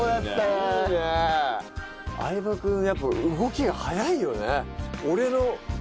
相葉君やっぱ動きが速いよね。